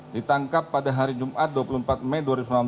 ditangkap pada hari jumat dua puluh empat mei dua ribu sembilan belas